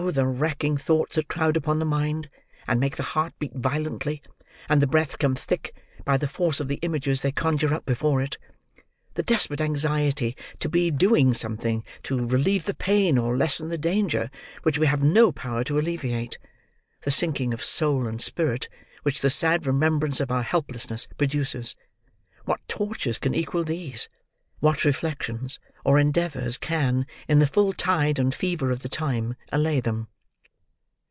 the racking thoughts that crowd upon the mind, and make the heart beat violently, and the breath come thick, by the force of the images they conjure up before it; the desperate anxiety to be doing something to relieve the pain, or lessen the danger, which we have no power to alleviate; the sinking of soul and spirit, which the sad remembrance of our helplessness produces; what tortures can equal these; what reflections or endeavours can, in the full tide and fever of the time, allay them!